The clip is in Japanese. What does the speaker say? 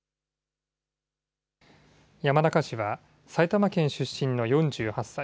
山中氏は埼玉県出身の４８歳。